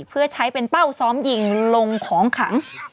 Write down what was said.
เพื่อใช้เป็นเป้าซ้อมยิงลงของขัง